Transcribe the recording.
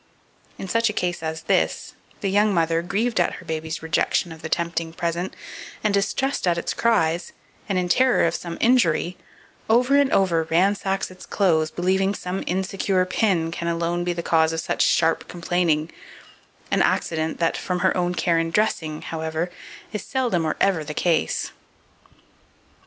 In such a case as this, the young mother, grieved at her baby's rejection of the tempting present, and distressed at its cries, and in terror of some injury, over and over ransacks its clothes, believing some insecure pin can alone be the cause of such sharp complaining, an accident that, from her own care in dressing, however, is seldom or ever the case.